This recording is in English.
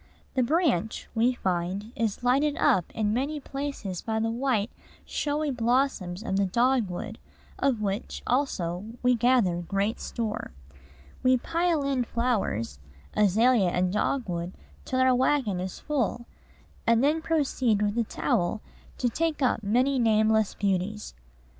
"The branch," we find, is lighted up in many places by the white, showy blossoms of the dogwood, of which, also, we gather great store. We pile in flowers azalea and dogwood till our wagon is full, and then proceed with a trowel to take up many nameless beauties.